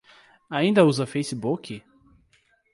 Ainda usa Facebook?